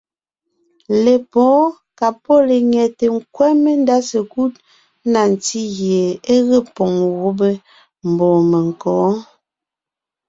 Lepwóon ka pɔ́ lenyɛte nkwɛ́ mendá sekúd na ntí gie é ge poŋ gubé mbɔ̌ menkǒ.